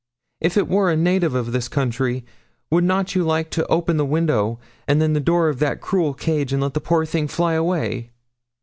If it were a native of this country, would not you like to open the window, and then the door of that cruel cage, and let the poor thing fly away?'